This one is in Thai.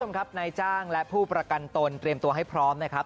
คุณผู้ชมครับนายจ้างและผู้ประกันตนเตรียมตัวให้พร้อมนะครับ